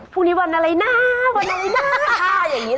พรุ่งนี้วันอะไรหน้าวันอะไรหน้าค่ะอย่างนี้เลย